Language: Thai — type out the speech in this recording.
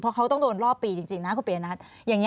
เพราะเขาต้องโดนรอบปีจริงนะคุณปียนัท